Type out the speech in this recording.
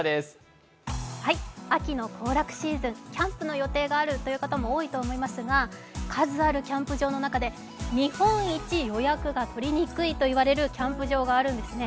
秋の行楽シーズン、キャンプの予定があるという方も多いと思いますが、数あるキャンプ場の中で日本一予約が取りにくいといわれるキャンプ場があるんですね。